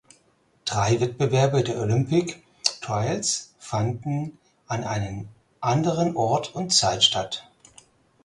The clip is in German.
Drei Wettbewerbe der Olympic Trials fanden an einen anderen Ort und Zeit statt.